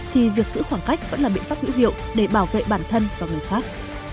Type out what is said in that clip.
thì việc giữ khoảng cách vẫn là biện pháp hữu hiệu để bảo vệ bản thân và người khác